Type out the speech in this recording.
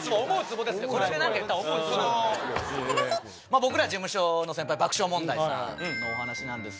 僕ら事務所の先輩爆笑問題さんの話なんですけど。